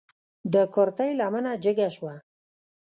د کورتۍ لمنه جګه شوه.